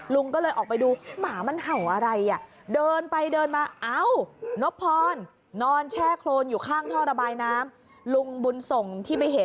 ลุงก็เลยออกไปดูหมามันเห่าอะไร